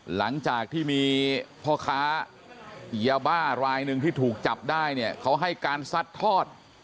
หลังจากที่มีพ่อค้ายาบ้ารายหนึ่งที่ถูกจับได้เนี่ยเขาให้การซัดทอด